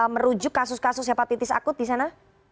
merujuk kasus kasus hepatitis akut di sana